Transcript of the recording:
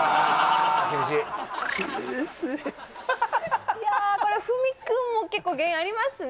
厳しいいやこれふみ君も結構原因ありますね